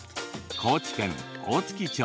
高知県大月町。